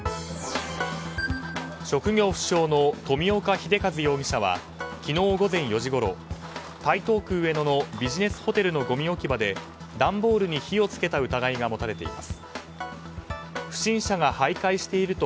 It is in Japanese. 職業不詳の富岡秀和容疑者は昨日午前４時ごろ台東区上野のビジネスホテルのごみ置き場で段ボールに火を付けた疑いが持たれています。